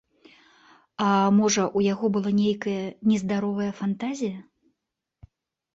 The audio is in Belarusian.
А, можа, у яго была нейкая нездаровая фантазія?